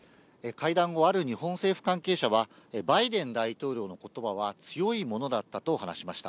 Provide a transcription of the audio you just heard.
会談後、ある日本政府関係者は、バイデン大統領のことばは強いものだったと話しました。